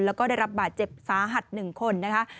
แล้วก็ได้รับบาดเจ็บสาหัส๑คนนะคะ